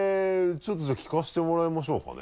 ちょっとじゃあ聞かせてもらいましょうかね。